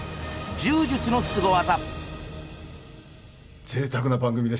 柔術のスゴ技」。